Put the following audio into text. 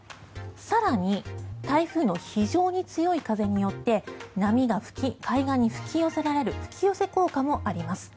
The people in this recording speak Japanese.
更に台風の非常に強い風によって波が海岸に吹き寄せられる吹き寄せ効果もあります。